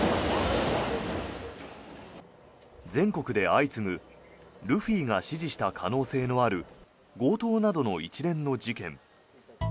全国で相次ぐルフィが指示した可能性のある強盗などの一連の事件。